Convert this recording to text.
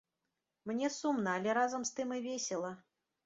Мне сумна, але разам з тым і весела.